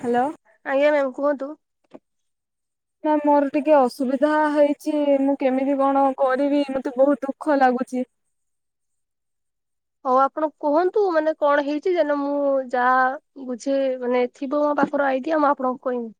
Hello. ଆଜ୍ଞା ma'am କୁହନ୍ତୁ। Ma'am ମୋର ଟିକେ ଅସୁବିଧା ହେଇଛି ମୁଁ କେମିତି କଣ କରିବି ମତେ ବହୁତ ଦୁଃଖ ଲାଗୁଚି। ହଉ ଆପଣ କୁହନ୍ତୁ ମାନେ କଣ ହେଇଚି ଯେ ମୁଁ ଯାହା ବୁଝେ ମାନେ ଥିବ ମୋ ପାଖର ଆଇଡିଆ ମୁଁ ଆପଣଙ୍କୁ କହିବି।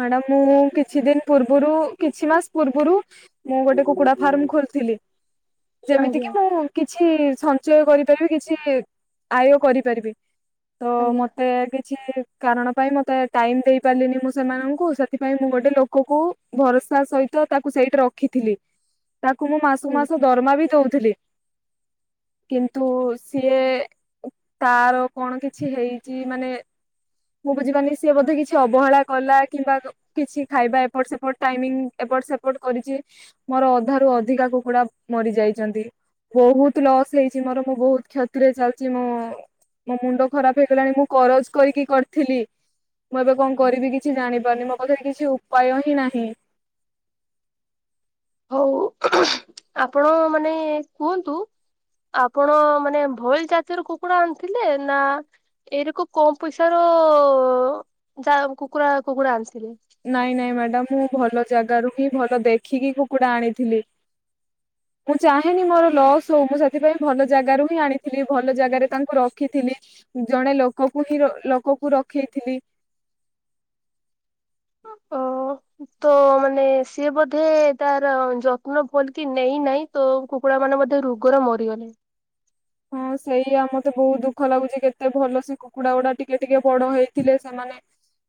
ମ୍ୟାଡ଼ାମ ମୁଁ କିଛି ଦିନ ପୂର୍ବୁରୁ କିଛି ମାସ ପୂର୍ବୁରୁ ମୁଁ ଗୋଟେ କୁକୁଡ଼ା ଫାର୍ମ ଖୋଲିଥିଲି। ଯେମିତି ଆଜ୍ଞା କିି ମୁଁ କିଛି ସଞ୍ଚୟ କରିପାରିବି କିଛି ଆୟ କରିପାରିବି। ତ ଆଜ୍ଞା ମତେ କିଛି କାରଣ ପାଇଁ ମତେ ଟାଇମ ଦେଇ ପାରିଲିନି ମୁଁ ସେ ସେମାନଙ୍କୁ ସେଥିପାଇଁ ମୁଁ ଗୋଟେ ଲୋକକୁ ଭରସା ସହିତ ତାକୁ ସେଇଠି ରଖିଥିଲି। ତାକୁ ମୁଁ ମାସୁକୁ ଆଜ୍ଞା। ମାସ ଦରମା ବି ଦଉଥିଲି। କିନ୍ତୁ ସିଏ ତାର କଣ କିଛି ହେଇଛି ମାନେ ମୁଁ ବୁଝିପାରୁନି ସିଏ ବୋଧେ କିଛି ଅବହେଳା କଲା କିମ୍ବା କ କିଛି ଖାଇବା ଏପଟ ସେପଟ ଟାଇମିଙ୍ଗ ଏପଟ ସେପଟ କରିଛି ମୋର ଅଧାରୁୁ ଅଧିକା କୁକୁଡା ମରି ଯାଇଛନ୍ତି। ବହୁତ ଲସ୍ ହେଇଛି ମୋର ମୁଁ ବହୁତ କ୍ଷତିରେ ଚାଲିଛି ମୁଁ ମୋ ମୁଣ୍ଡ ଖରାପ ହେଇଗଲାଣି ମୁଁ କରଜ କରିକି କରିି ଥିଲି ମୁଁ ଏବେ କଣ କରିବି କିଛି ଜାଣିପାରୁନି ମୋ ପାଖରେ କିଛି ଉପାୟ ହିଁ ନାହିଁ‌। ହଉ ଆପଣ ମାନେ କୁହନ୍ତୁ? ଆପଣ ମାନେ ଭଇଲ ଜତିର କୁକୁଡା ଆଣିଥିଲେ ନା ଏଇରକ କମ ପଇସା ର ଯା କୁକୁଡ଼ା କୁକୁଡା ଆଣିଥିଲେ। ନାଇଁ ନାଇଁ ମ୍ୟାଡ଼ାାମ ମୁଁ ଭଲ ଜାଗାରୁ ହିଁ ଭଲ ଦେଖିକି କୁକୁଡ଼ା ଆଣିଥିଲି। ମୁଁ ଚାହେଁନି ମୋର ଲସ୍ ହଉ ମୁଁ ସେଥିପାଇଁ ଭଲ ଜାଗାରୁ ହିଁ ଆଣିଥିଲି, ଭଲ ଜାଗାରେ ତାଙ୍କୁ ରଖିଥିଲି। ଜଣେ ଲୋକକୁ ହିଁ ଲୋକକୁ ରଖେଇଥିଲି। ଓ ତ ମାନେ ସିଏ ବୋଧେ ତାର ଯତ୍ନ ଭଲ କି ନେଇନାହିଁ। ତ କୁକୁଡ଼ା ମାନେ ମଧ୍ୟ ରୋଗରେ ମରିଗଲେ। ହଁ ସେଇଆ ମତେ ବହୁତ ଦୁଃଖ ଲାଗୁଛି, କେତେ ଭଲ ସେ କୁକୁଡା ଗୁଡା ଟିକେ ଟିକେ ବଡ ହେଇଥିଲେ ସେମାନେ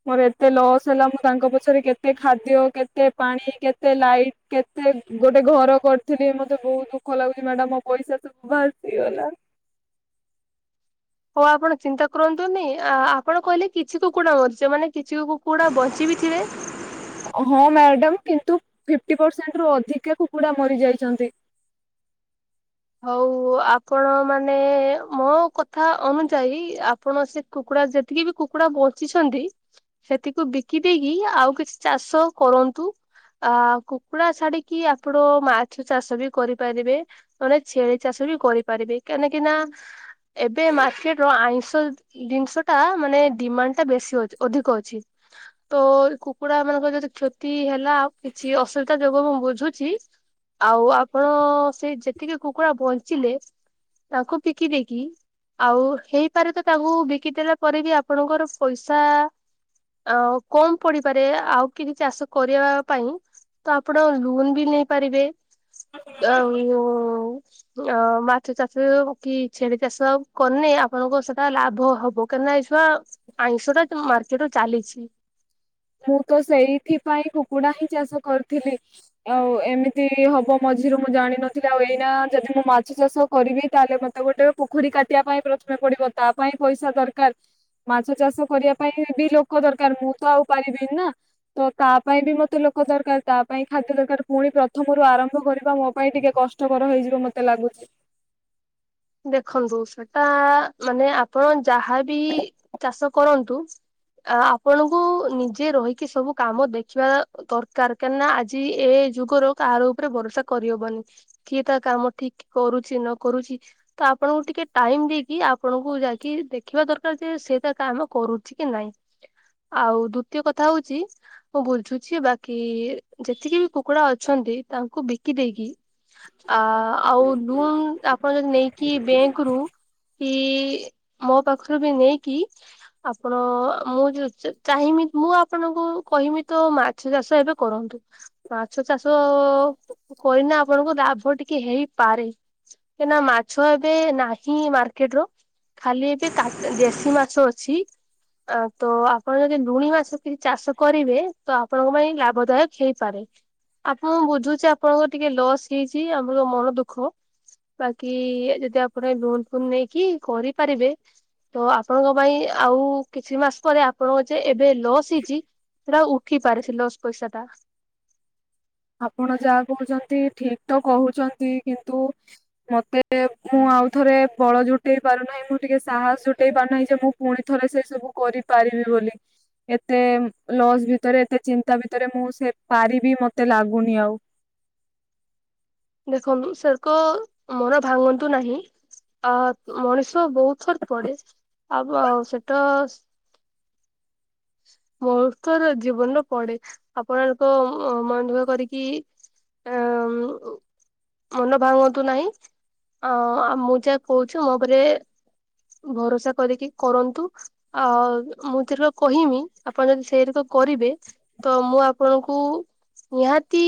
ମୋର ଏତେ ଲସ୍ ହେଲା, ମୁଁ ତାଙ୍କ ପଛରେ କେତେ ଖାଦ୍ୟ କେତେ ପାଣି କେତେ ଲାଇଟ୍। କେତେ ଗୋଟେ ଘର କରିଥିଲି ମତେ ବହୁତ ଦୁଃଖ ଲାଗୁଛି ମ୍ୟାଡାାମ ମୋ ପଇସା ସବୁ ବାାସିଗଲା। ହ ଆପଣ ଚିନ୍ତା କରନ୍ତୁନି, ଆପଣ କହିଲେ କିଛି କୁକୁଡା ମରିଚ ମାନେ କିଛି କୁକୁଡା ବଞ୍ଚି ବିି ଥିବେ ହଁ ମ୍ୟାଡାମ କିନ୍ତୁ ଫି୍ପଟି ପରସେଣ୍ଟ ରୁ ଅଧିକା କୁକୁଡା ମରିଯାଇଛନ୍ତି। ହଉ ଆପଣ ମାନେ ମୋ କଥା ଅନୁଯାୟୀ ଆପଣ ସେ କୁକୁଡା ଯେତିକି ବି କୁକୁଡା ବଞ୍ଚିଛନ୍ତି ସେଥିକୁ ବିକି ଦେଇକି ଆଉ କିଛି ଚାଷ କରନ୍ତୁ। ଅ କୁକୁଡା ଛାଡିକି ଆପଣ ମାଛ ଚାଷ ବି କରିପାରିବେ। ମାନେ ଛେଳି ଚାଷ ବି କରିପାରିବେ କାହିଁକି ନା ଏବେ ମାର୍କେଟ ର ଆଇଁଷ ଜିନିଷ ଟା ମାନେ ଡିମାଣ୍ଡ ଟା ବେଶୀ ଅ ଅଧିକ ଅଛି। ତ ଏ କୁକୁଡା ମାନଙ୍କର ଯଦି କ୍ଷତି ହେଲା କିଛି ଅସୁବିଧା ଯୋଗୁ ମୁଁ ବୁଝୁଛି ଆଉ ଆପଣ ସେଇ ଯେତିକି କୁକୁଡ଼ା ବଞ୍ଚିଲେ ତାଙ୍କୁ ବିକି ଦେଇକି। ଆଉ ହେଇପାରେ ତ ତାଙ୍କୁ ବିକିଦଲା ପରେ ବି ଆପଣଙ୍କର ପଇସା ଆ କମ ପଡିପାରେ ଆଉ କିଛି ଚାଷ କରିବା ପାଇଁ। ତ ଆପଣ ଲୋନ୍ ବି ନେଇପାରିବେ ଆଉ ଅ ମାଛ ଚାଷ, କି ଛେଳି ଚାଷ, କଲେ ଆପଣଙ୍କ ସେଟା ଲାଭ ହବ, କାହିଁନା ଏ ଛୁଆ ଆଇଁଷଟା ମାର୍କେଟ ଚାଲିଛି ମୁଁ ତ ସେଇଥି ପାଇ କୁକୁଡା ହିଁ ଚାଷ କରିଥିଲି। ଆଉ ଏମିତି ହବ ମଝିରେ ମୁଁ ଜାଣିନଥିଲି, ଆଉ ଏଇନା ଯଦି ମୁଁ ମାଛ ଚାଷ କରିବି ତାହେଲେ ମତେ ତା ଗୋଟେ ପୋଖରୀ କାଟିବା ପାଇଁ ପ୍ରଥମେ ପଡିବ ତା ପାଇଁ ପଇସା ଦରକାର। ମାଛ ଚାଷ କରିବା ପାଇଁ ବି ଲୋକ ଦରକାର ମୁଁ ତ ଆଉ ପାରିବିନି ନା। ତ ତା ପାଇଁ ବି ମତେ ଲୋକ ଦରକାର ତା ପାଇଁ ଖାଦ୍ୟ ଦରକାର ପୁଣି ପ୍ରଥମରୁ ଆରମ୍ଭ କରିବା ମୋ ପାଇଁ ଟିକେ କଷ୍ଟ କଷ୍ଟକର ହେଇଯିବ ମତେ ଲାଗୁଛି। ଦେଖନ୍ତୁ ସେଟା ମାନେ ଆପଣ ଯାହାବି ଚାଷ କରନ୍ତୁ। ଆ ଆପଣଙ୍କୁ ନିଜେ ରହିକି ସବୁ କାମ ଦେଖିବା ଦରକାର କାହିଁକି ନା ଆଜି ଏ ଯୁଗ ର କାହାର ଉପରେ ଭରସା କରିହବନି। କିଏ ତା କାମ ଠିକ କରୁଛି ନ କରୁଛି। ତ ଆପଣଙ୍କୁ ଟିକେ ଟାଇମ ଦେଇକି, ଆପଣଙ୍କୁ ଯାଇକି ଦେଖିବା ଦରକାର, ଯେ ସେଟା କାମ କରୁଛି କି ନାଇଁ। ଆଉ ଦ୍ଵିତୀୟ କଥା ହଉଛି ମୁଁ ବୁଝୁଛି ବାକି ଯେତିକି ବି କୁକୁଡା ଅଛନ୍ତି ତାଙ୍କୁ ବିକି ଦେଇକି ଆ ଆଉ ଲୋନ ଆପଣ ଯଦି ନେଇ କି ବ୍ୟାଙ୍କ ରୁ କି ମୋ ପାଖରୁ ବି ନେଇକି ଆପଣ ମୁଁ ଚାହିଁବି ମୁଁ ଆପଣଙ୍କୁ କହିବି ତ ମାଛ ଚାଷ ଏବେ କରନ୍ତୁ। ମାଛ ଚାଷ କରିକିନା ଆପଣଙ୍କୁ ଲାଭ ଟିକେ ହେଇପାରେ। କାହିଁକିନା ମା ମାଛ ଏବେ ନାହିଁ ମାର୍କେଟ ର ଖାଲି ଏବେ କା- ଦେଶୀ ମାଛ ଅଛି। ଆ- ତ ଆପଣ ଯଦି ଲୁଣି ମାଛ କିଛି ଚାଷ କରିବେ ତ ଆପଣଙ୍କ ପାଇଁ ଲାଭଦାୟକ ହେଇପାରେ। ଆପଣଙ୍କୁ ବୁଝୁଚି ଆପଣଙ୍କ ଟିକେ ଲସ୍ ହେଇଚି ଆମର ମନ ଦୁଃଖ କି ଯଦି ଆପଣ ଲୋନ୍ ଫୋନ୍ ନେଇକି କରିପାରିବେ ତ ଆପଣଙ୍କ ପାଇଁ ଆଉ କିଛି ମାସ୍ ପରେ ଆ ଆପଣଙ୍କର ଯେ ଏବେ ଲସ୍ ହେଇଚି ସେଟା ଉଠିପାରେ ସେ ଲସ୍ ପଇସା ଟା। ଆପଣ ଯାହା କହୁଚନ୍ତି ଠିକ୍ ତ କହୁଚନ୍ତି କିନ୍ତୁ ମତେ ମୁଁ ଆଉ ଥରେ ବଳ ଜୁଟେଇ ପାରୁ ନାହିଁ ମୁଁ ଟିକେ ସାହସ୍ ଜୁଟେଇ ପାରୁନାହିଁ ଯେ ମୁଁ ପୁଣିଥରେ ସେ ସବୁ କରିପାରିବି ବୋଲି। ଏତେ ଲସ୍ ଭିତରେ ଏତେ ଚିନ୍ତା ଭିତରେ ମୁଁ ସେ ପାରିବି ମତେ ଲାଗୁନି ଆଉ। ଦେଖନ୍ତୁ ସେ କ ମୋର ଭାଙ୍ଗନ୍ତୁ ନାହିଁ। ଆ -ମଣିଷ ବହୁତ୍ ଥର ପଡେ ଆବ-ଆଉ ସେଟା ମହତ୍ଵର ଜୀବନ ପଡେ ଆପଣଙ୍କ ମ-ମନଦୁଃଖ କରିକି ଆଁ -ଉଁ। ମନ ଭାଙ୍ଗନ୍ତୁ ନାହିଁ ଆ- ଆ- ମୁଁ ଯାହା କହୁଚି ମୋ ଉପରେ ଭରସା କରିକି କରନ୍ତୁ ଆ -ଉ ମୁଁ ତିର କହିମି ଆପଣ ଯଦି ସେଇଠେ ତ କରିବେ ତ ମୁଁ ଆ ଆପଣଙ୍କୁ ନିହାତି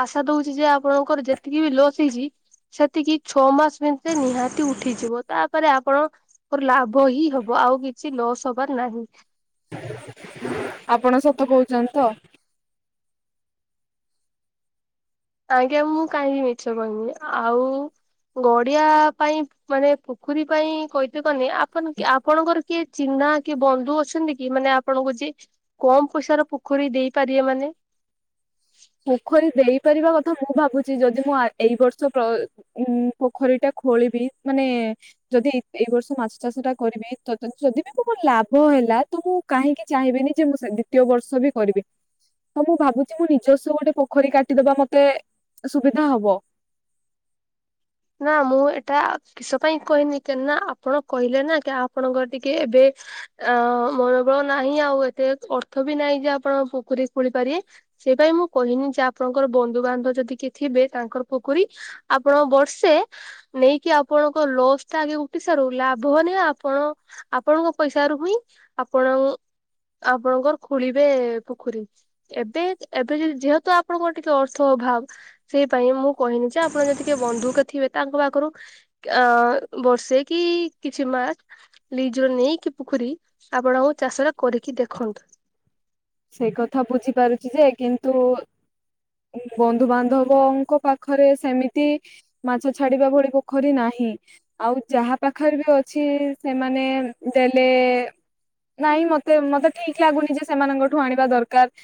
ଆଶା ଦଉଚି ଯେ ଆପଣଙ୍କର ଯେତିକି ବି ଲସ୍ ହେଇଚି ସେତିକି ଛଅ ମାସ୍ ଭିତରେ ନିହାତି ଉଠିଯିବ ତାପରେ ଆପଣ ତାପରେ ଲାଭ ହିଁ ହବ ଆଉ କିଛି ଲସ୍ ହବାର୍ ନାହିଁ। ଆପଣ ସତ କହୁଚନ୍ତି ତ? ଆଜ୍ଞା ମୁଁ କାହିଁକି ମିଛ କହିବି ଆଉ ଗଡିଆ ପାଇଁ ମାନେ ପୋଖରୀ ପାଇଁ କହିତେ କନି ଆପନ୍- ଆପଣଙ୍କର କିଏ ଚିହ୍ନା କିଏ ବନ୍ଧୁ ଅଛନ୍ତି କି ମାନେ ଆପଣଙ୍କୁ ଯିଏ କମ୍ ପଇସା ର ପୋଖରୀ ଦେଇ ପାରିବେ ମାନେ? ପୋଖରୀ ଦେଇପାରିବା କଥା ମୁଁ ଭାବୁଚି ଯଦି ମୁଁ ଆ- ଏଇ ବର୍ଷ ର ଉଁ-ପୋଖରୀ ଟା ଖୋଳିବି ମାନେ ଯଦି ଏଇ-ଏଇ ବର୍ଷ ମାଛ ଚାଷ ଟା କରିବି ଯଦି ବି -ମ ଲାଭ ହେଲା ତ ମୁଁ କାହିଁକି ଚାହିଁବିନି ଯେ ମୁଁ ସେ- ଦ୍ୱିତୀୟ ବର୍ଷ ବି କରିବି ତ ମୁଁ ଭାବୁଚି ମୁଁ ନି ନିଜଶ୍ଵ ଗୋଟେ ପୋଖରୀ କାଟିଦବା ମତେ ସୁବିଧା ହବ। ନା ମୁଁ ଏଟା କିଷ ପାଇଁ କହିନି କେ ନା ଆପଣ କହିଲେ ନା କେ ଆପଣଙ୍କ ଟିକେ ଏବେ ଆ-ମନୋବଳ ନାହିଁ ଆଉ ଏତେ ଅର୍ଥ ବି ନାହିଁ ଯେ ଆପଣ ପୋଖରୀ ଖୋଳି ପାରିବେ ସେଥିପାଇଁ ମୁଁ କହିନି ଯେ ଆପଣଙ୍କର ବନ୍ଧୁବାନ୍ଧବ ଯଦି କିଏ ଥିବେ ତାଙ୍କର ପୋଖରୀ ଆପଣ ବର୍ଷ୍ ଷେ ନେଇକି ଆପଣଙ୍କ ଲସ୍ ଟା ଆଗେ ଉଠି ସାରୁ ଲାଭ ହନି ଆପଣ ଆପଣଙ୍କ ପଇସା ରୁ ହିଁ ଆପଣ ଆପଣଙ୍କର ଖୁଳିବେ ପୋଖରୀ। ଏବେ- ଏବେ ଯେ- ଯେହେତୁ ଆପଣଙ୍କର ଟିକେ ଅର୍ଥ ଅଭାବ୍ ସେଇପାଇଁ ମୁଁ କହିନି ଯେ ଆପଣ ଯଦି କିଏ ବନ୍ଧୁ କେ ଥିବେ ତାଙ୍କ ପାଖୁରୁ କେ-ଅ-ବର୍ଷେ କି କିଛି ମାସ୍ ଲିଜ ନେଇକି ପୋଖରୀ ଆପଣ ଆଉ ଚାଷରେ କରିକି ଦେଖନ୍ତୁ। ସେଇ କଥା ବୁଝିପାରୁଚି ଯେ କିନ୍ତୁ ବନ୍ଧୁ ବାନ୍ଧବଙ୍କ ପାଖରେ ସେମିତି ମାଛ ଛାଡିବା ଭଳି ପୋଖରୀ ନାହିଁ। ଆଉ ଯାହା ପାଖରେ ବି ଅଛି ସେମାନେ ଦେଲେ ନାଇଁ ମତେ -ମତେ ଠିକ୍ ଲାଗୁନି ଯେ ସେମାନଙ୍କଠୁ ଆଣିବା ଦରକାର୍।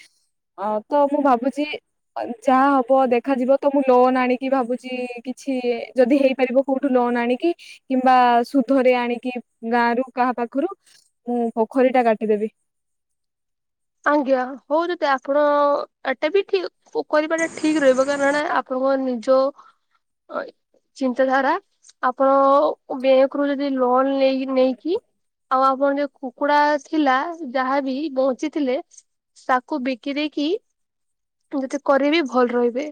ଆଉ ତ ମୁଁ ଭାବୁଚି ଯାହା ହବ ଦେଖାଯିବ ତ ମୁଁ ଲୋନ୍ ଆଣିକି ଭାବୁଚି କିଛି ଯଦି ହେଇପାରିବ କୋଉଠୁ ଲୋନ ଆଣିକି କିମ୍ବା ସୁଧରେ ଆଣିକି ଗାଁ ର କାହା ପାଖରୁ ମୁଁ ପୋଖରୀ ଟା କାଟିଦେବି। ଆଜ୍ଞା ହଉ ଯଦେ ଆପଣ ଏଟା ବି ଠିକ ପ କରିବାିବା ଟା ଠିକ ରହିବ କାରଣ ଆପଣଙ୍କ ନିଜ ଚିନ୍ତାଧାରା ଆପଣ ବ୍ୟାଙ୍କ ରୁ ଯଦି ଲୋନ ନେଇ ନେଇକି ଆଉ ଆପଣ ଯଉ କୁକୁଡା ଥିଲା ଯାହାବି ବଞ୍ଚି ଥିଲେ ତାକୁ ବିକି ଦେଇକି ଯତି କରିବି ଭଲ ରହିବେ।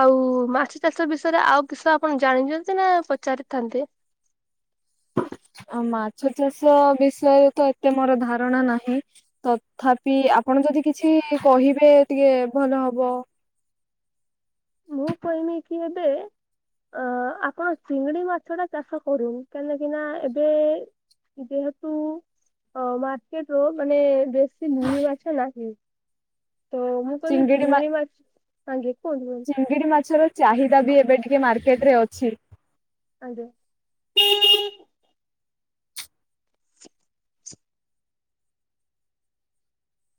ଆଉ ମାଛ ଚାଷ ବିଷୟରେ ଆଉ ବିଷୟ ଆପଣ ଜାଣିଛନ୍ତି ନା ପଚାରିଥାନ୍ତେ? ମାଛ ଚାଷ ବିଷୟରେ ତ ଏତେ ମୋର ଧାରଣା ନାହିଁ। ତଥାପି ଆପଣ ଯଦି କିଛି କହିବେ ଟିକେ ଭଲ ହବ। ମୁଁ କହନି କି ଏବେ ଅ ଆପଣ ଚିଙ୍ଗଡି ମାଛ ଟା ଚାଷ କରୁ କାହିଁକି ନା ଏବେ ଯେହେତୁ ଅ ମାର୍କେଟ ର ମାନେ ବେଶୀ ନୁନି ଗଛ ଲାଗେ ତ ମି ଚିଙ୍ଗିଡି ଚିଙ୍ଗିଡ଼ି ମା ଅଜ୍ଞ୍ୟା କୁହନ୍ତୁ ଅଙ୍ଗିଡି ମାଛ ର ଚାହିଦା ବି ଏବେ ଟିକେ ମାର୍କେଟ ରେ ଅଛି। ଆଜ୍ଞ୍ୟା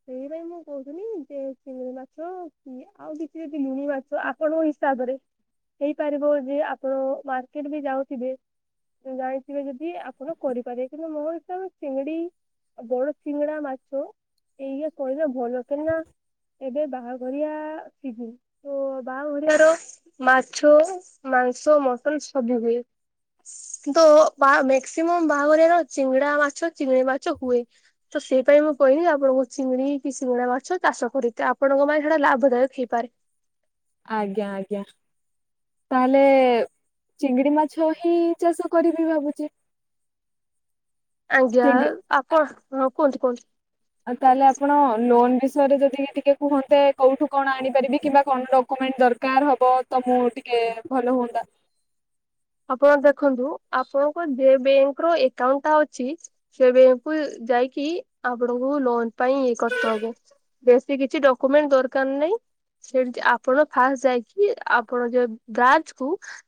ସେଇପାଇଁ ମୁଁ କହୁଥିଲି [unintelligible] ମାଛ କି ଆଉ କିଛି ଯଦି ଲୁଣି ମାଛ ଆପଣଙ୍କ ହିସାବରେ ହେଇପାରିବ ଯେ ଆପଣ ମାର୍କେଟ ବି ଯାଉଥିବେ ଜାଣିଥିବେ ଯଦି ଆପଣ କରିପାରିବେ କିନ୍ତୁ ମୋ ହିସାବରେ ଚିଙ୍ଗଡି ଉ ବଡ ସିଂଡ଼ା ମାଛ ଏଇ ଯେ କହିଲ ଭଲ କେନା ଏବେ ବାହାଘରିଆ ସିିଜିନ। ଓ ବାହାଘଡିଆ ର ମାଛ ମାଂସ ମଟନ ସବୁ ହୁଏ। କି [inaudible] ମକ୍ସିମମ୍ ବାହାଘରେ ର ଚିଙ୍ଗଡା ମାଛ ଚିଙ୍ଗଡି ମାଛ ହୁଏ। ତ ସେଇ ପାଇଁଁ ମୁଁ କହିଲି ଆପଣଙ୍କୁ ଚିଙ୍ଗୁଡି କି ସିଙ୍ଗୁଣା ମାଛ ଚାଷ କରିଥାେ ଆପଣଙ୍କ ମାନ ସେଟା ଲାଭଦାୟକ ହେଇପାରେ। ଆଜ୍ଞା ଆଜ୍ଞା। ତାହେଲେ ଚିଙ୍ଗଡି ମାଛ ହିଁ ଚାଷ କରିବି ଭାବୁଛି। ଆଜ୍ଞା ଚିଙ୍ଗି ଆପଣ ହଁ କୁହନ୍ତୁ କୁହନ୍ତୁ। ଆଉ ତାହେଲେ ଆପଣ ଲୋନ ବିଷୟରେ ଯଦି ଟିକେ କୁହନ୍ତେ କୋଉଠୁ କଣ ଆଣିପାରିବି କିମ୍ବା କଣ ଡକ୍ୟୁମେଣ୍ଟ ଦର କାର ହବ ତମ ଟିକେ ଭଲ ହୁଅନ୍ତା। ଆପଣ ଦେଖନ୍ତୁ ଆପଣଙ୍କ ଯେ ବ୍ୟାଙ୍କ ର ଏକାଉଣ୍ଟ ଟା ଅଛି। ସେ ବ୍ୟାଙ୍କକୁ ଯାଇକି ଆପଣଙ୍କୁ ଲୋନ ପାଇଁ ଇ କର। [unintelligible] ବେଶୀ କିଛି ଡକ୍ୟୁମେଣ୍ଟ ଦରକାର ନାହିଁ। ସେତି ଆପଣ ଫାଷ୍ଟ ଯାଇକି ଆପଣ ଯ ବ୍ରାଞ୍ଚ କୁ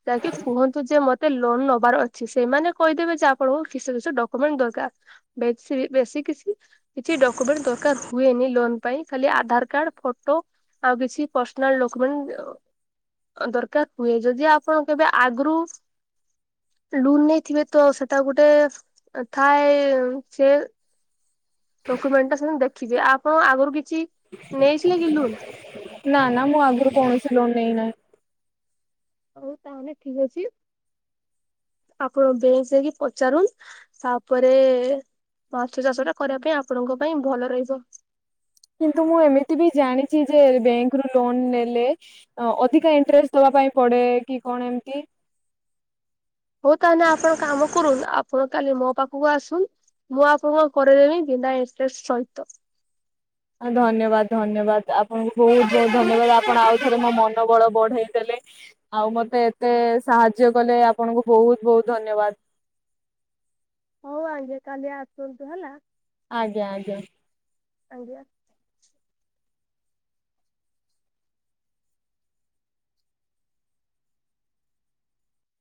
ଯାଇକି କୁହ ମତେ ଲୋନ ନେବାର ଅଛି ସେମାନେ କହିଦେବେ ଯେ ଆପଣଙ୍କୁ କିସ କିସ ଡକ୍ୟୁମେଣ୍ଟ ଦରକାର। ବେସି ବେସି କିଛି କିଛି ଡକମେଣ୍ଟ ଦରକାର ହୁଏନି ଲୋନ ପାଇଁ ଖାଲି ଆଧାର କାର୍ଡ, ଫଟୋ ଆଉ କିଛି ପର୍ସନାଲ ଡକମେଣ୍ଟ ଦରକାର ହୁଏ ଯଦି ଆପଣ କେବେ ଆଗରୁ ଲୁନ୍ ନେଇଥିବେ ତ ସେଟା ଗୋଟେ ଥାଏ ସେ ଡକ୍ୟୁମେଣ୍ଟ ଟା ସେମାନେ ଦେଖିବେ ଆପଣ ଆଗରୁ କିଛି ନେଇଥିଲେ କି ଲୁନ? ନା ନା ମୁଁ ଆଗରୁ କୌଣସି ଲୋନ ନେଇନାହିଁ। ହଉ ତାହେଲେ ଠିକ ଅଛି ଆପଣ ବେଙ୍କଯାଇକି ପଚାରୁନ୍ତୁ। ତାପରେ ମାଛ ଚାଷ ଟା କରିବା ପାଇଁ ଆପଣଙ୍କ ପାଇଁ ଭଲ ରହିବ। କିନ୍ତୁ ମୁଁ ଏମିତି ବି ଜାଣିଛି ଯେ ବ୍ୟାଙ୍କ ରୁ ଲୋନ ନେଲେ ଅଧିକା ଇଣ୍ଟରେଷ୍ଟ ଦବା ପାଇଁ ପଡେ କି କଣ ଏମିତି। ହଉ ତାହେଲେ ଆପଣ କାମ କରୁନ୍ତୁ ଆପଣ କାଲି ମୋ ପାଖକୁ ଆସୁନ୍ତୁ ମୁଁ ଆପଣଙ୍କ କରିଦେବି ବିନା ଇଣ୍ଟରେଷ୍ଟ ସହିତ। ହ ଧନ୍ୟବାଦ ଧନ୍ୟବାଦ ଆପଣଙ୍କୁ ବହୁତ ବହୁତ ଧନ୍ୟବାଦ ଆପଣ ଆଉ ଥରେ ମୋ ମନୋବଳ ବଢେଇ ଦେଲେ। ଆଉ ମତେ ଏତେ ସାହାଯ୍ୟ କଲେ ଆପଣଙ୍କୁ ବହୁତ ବହୁତ ଧନ୍ୟବାଦ। ହଉ ଆଜ୍ଞା କାଲି ଆସନ୍ତୁ ହେଲା। ଆଜ୍ଞା ଆଜ୍ଞା। ଆଜ୍ଞା।